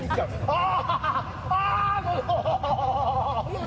ああ。